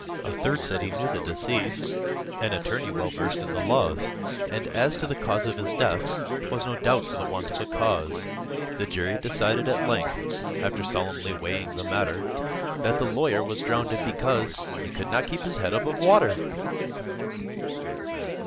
A third said, "He knew the deceased, An attorney well versed in the laws, And as to the cause of his death, 'Twas no doubt for the want of a cause." The jury decided at length, After solemnly weighing the matter, That the lawyer was drownded, because He could not keep his head above water!